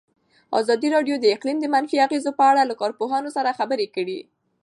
ازادي راډیو د اقلیم د منفي اغېزو په اړه له کارپوهانو سره خبرې کړي.